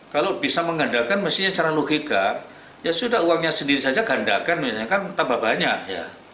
kalau bisa menggandakan mestinya secara logika ya sudah uangnya sendiri saja gandakan misalnya kan tambah banyak ya